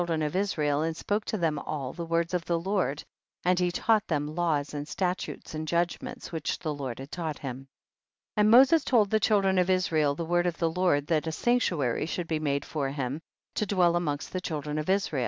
247 ren of Israel and spoke to ihem all the words of the Lord, and he taught them laws, statutes and judgnaents which tiie Lord had taught him. 30. And Moses told tiie children of Israel the word of the Lord, that a sanctuary should be made for him, to dwell amongst the children of Is rael.